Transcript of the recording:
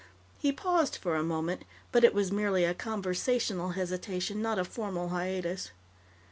He paused for a moment, but it was merely a conversational hesitation, not a formal hiatus.